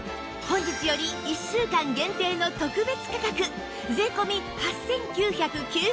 本日より１週間限定の特別価格税込８９９０円